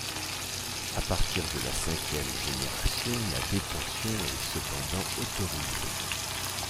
À partir de la cinquième génération, la détention est cependant autorisée.